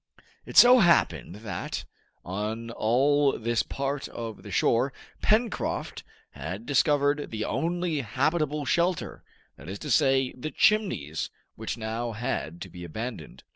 It so happened that, on all this part of the shore, Pencroft had discovered the only habitable shelter, that is to say, the Chimneys, which now had to be abandoned.